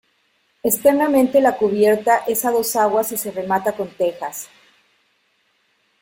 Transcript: Externamente la cubierta es a dos aguas y se remata con tejas.